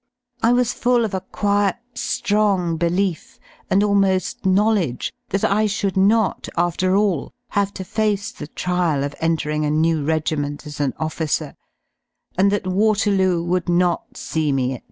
I was full of a quiet ^rong belief and almo^ knowledge that I should not, after all, have to face the trial of entering a new regiment as an officer, and that Waterloo would not see me at 2.